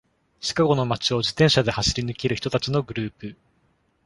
シカゴの街を自転車で走り抜ける人たちのグループ。